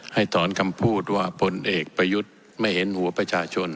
ถอนคำพูดว่าผลเอกประยุทธ์ไม่เห็นหัวประชาชน